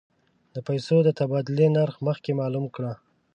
د پیسو د تبادلې نرخ مخکې معلوم کړه.